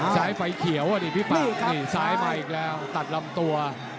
ซ้ายไฟเขียวอ่ะที่พี่ปังที่ซ้ายมาอีกแล้วตัดลำตัว